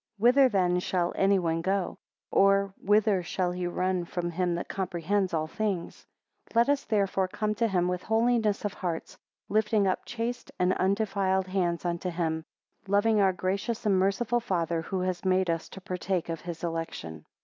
5 Whither then shall any one go; or whither shall he run from him that comprehends all things? 6 Let us therefore come to him with holiness of heart, lifting up chaste and undefiled hands unto him; loving our gracious and merciful Father, who has made us to partake of his election.